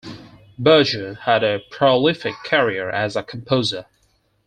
Berger had a prolific career as a composer.